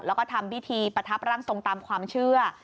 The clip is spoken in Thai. แล้วก็ทำพิธีประทับร่างทรงตามความเชื่อ